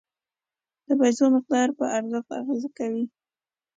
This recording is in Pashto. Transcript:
د پیسو مقدار په ارزښت اغیز کوي.